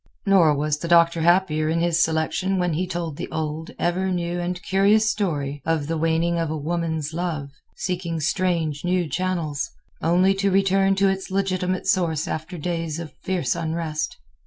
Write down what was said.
Nor was the Doctor happier in his selection, when he told the old, ever new and curious story of the waning of a woman's love, seeking strange, new channels, only to return to its legitimate source after days of fierce unrest.